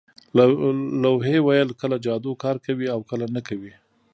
لوحې ویل کله جادو کار کوي او کله نه کوي